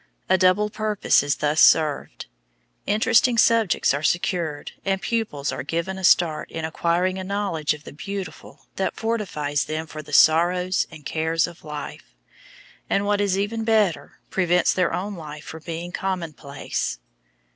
A double purpose is thus served. Interesting subjects are secured and pupils are given a start in acquiring a knowledge of the beautiful that fortifies them for the sorrows and cares of life; and, what is even better, prevents their own life from being commonplace.